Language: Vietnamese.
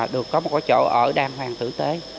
được có một chỗ ở đàng hoàng tử tế